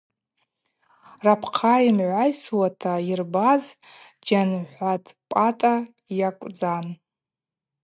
Рапхъала йымгӏвайсуата --йырбаз Джьанхӏватӏ Пӏатӏа йакӏвдзан.